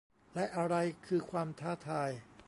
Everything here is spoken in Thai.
และอะไรคือความท้าทาย